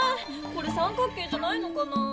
これ三角形じゃないのかなぁ？